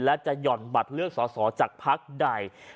และจะหย่อนบัตรเลือกสอสอจากพักใด